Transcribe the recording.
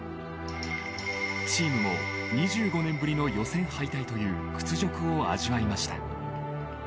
［チームも２５年ぶりの予選敗退という屈辱を味わいました］